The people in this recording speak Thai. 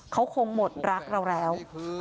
เขาคงหมดรักเราแล้ว